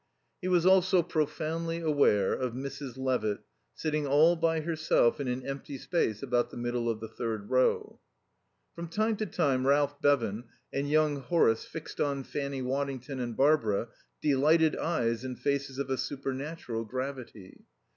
He was also profoundly aware of Mrs. Levitt sitting all by herself in an empty space about the middle of the third row. From time to time Ralph Bevan and young Horace fixed on Fanny Waddington and Barbara delighted eyes in faces of a supernatural gravity.